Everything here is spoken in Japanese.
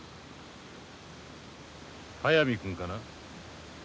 速水君かな？